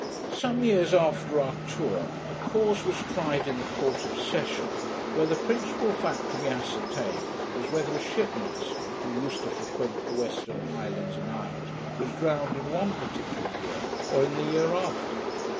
Some years after our tour, a cause was tried in the Court of Session where the principal fact to be ascertained was, whether a ship master, who used to frequent the Western Highlands and Isles, was drowned in one particular year, or in the year after.